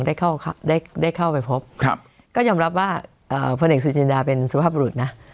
ได้เข้าได้เข้าไปพบครับก็ยอมรับว่าเอ่อผู้เด็กสุจริงดาเป็นสุภาพบุรุษน่ะ